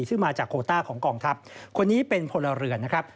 ซึ่งมาจากโคต้าของกองทัพคนนี้เป็นพลเรือนนะครับ